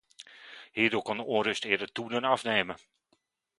Hierdoor kan de onrust eerder toe- dan afnemen.